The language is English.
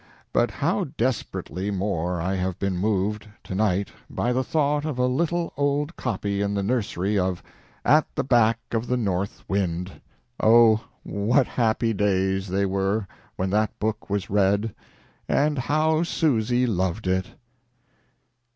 But how desperately more I have been moved to night by the thought of a little old copy in the nursery of 'At the Back of the North Wind.' Oh, what happy days they were when that book was read, and how Susy loved it!"